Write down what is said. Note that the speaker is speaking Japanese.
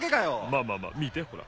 まあまあまあみてほら？